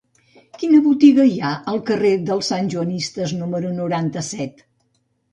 Quina botiga hi ha al carrer de les Santjoanistes número noranta-set?